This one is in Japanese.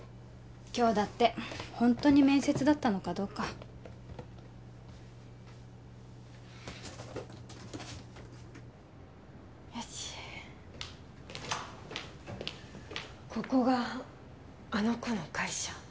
今日だってホントに面接だったのかどうかよしここがあの子の会社？